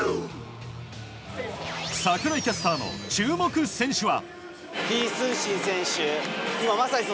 櫻井キャスターの注目選手は。